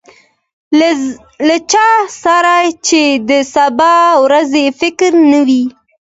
له چا سره چې د سبا ورځې فکر نه وي.